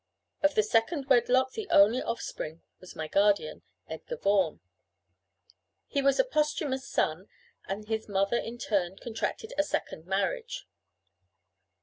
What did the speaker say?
Of the second wedlock the only offspring was my guardian, Edgar Vaughan. He was a posthumous son, and his mother in turn contracted a second marriage.